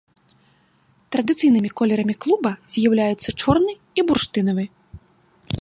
Традыцыйнымі колерамі клуба з'яўляюцца чорны і бурштынавы.